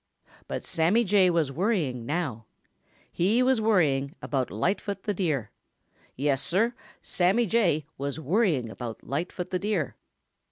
But Sammy Jay was worrying now. He was worrying about Lightfoot the Deer. Yes, Sir, Sammy Jay was worrying about Lightfoot the Deer.